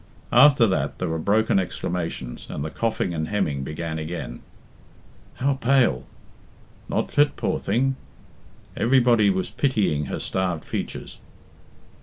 After that there were broken exclamations, and the coughing and hemming began again. "How pale!" "Not fit, poor thing." Everybody was pitying her starved features.